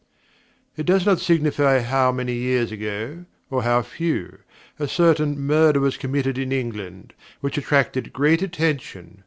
It does not signify how many years ago, or how few, a certain Murder was committed in England, which attracted great attention.